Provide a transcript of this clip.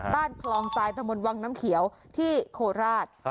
บ้านคลองทรายตะมนต์วังน้ำเขียวที่โคราช